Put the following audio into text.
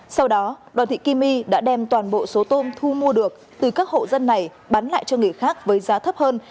sau đó đoàn thị kim my đã đem toàn bộ số tôm thu mua được từ các hộ dân này bán lại cho người khác với giá thấp hơn